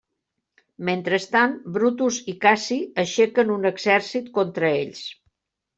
Mentrestant, Brutus i Cassi aixequen un exèrcit contra ells.